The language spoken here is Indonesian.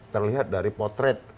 terlihat dari potret